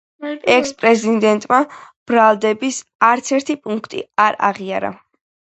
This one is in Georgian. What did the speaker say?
ექს-პრეზიდენტმა ბრალდების არცერთი პუნქტი არ აღიარა.